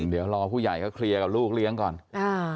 เดี๋ยวรอผู้ใหญ่เขาเคลียร์กับลูกเลี้ยงก่อนอ่า